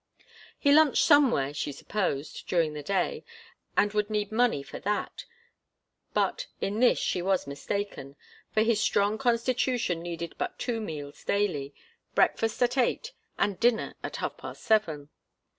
He lunched somewhere, she supposed, during the day, and would need money for that; but in this she was mistaken, for his strong constitution needed but two meals daily, breakfast at eight and dinner at half past seven.